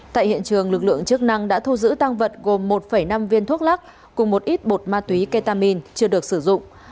tại hiện trường lực lượng chức năng đã thu giữ tăng vật gồm một năm viên thuốc lắc cùng một ít bột ma túy ketamin chưa được sử dụng